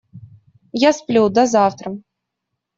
Я сплю, до завтра!